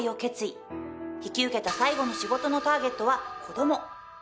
引き受けた最後の仕事のターゲットは子ども。